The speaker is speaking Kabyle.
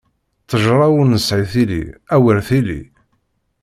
Ṭṭejṛa ur nesɛi tili, awer tili!